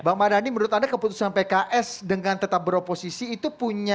bang mardhani menurut anda keputusan pks dengan tetap beroposisi itu punya